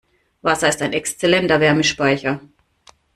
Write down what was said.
Wasser ist ein exzellenter Wärmespeicher.